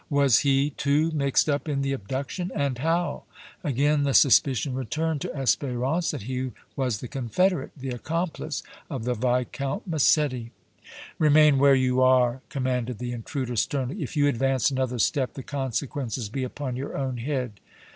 Was he, too, mixed up in the abduction, and how? Again the suspicion returned to Espérance that he was the confederate, the accomplice of the Viscount Massetti. "Remain where you are!" commanded the intruder, sternly. "If you advance another step, the consequences be upon your own head!"